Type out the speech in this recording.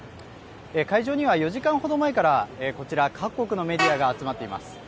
会場には４時間ほど前からこちら各国のメディアが集まっています。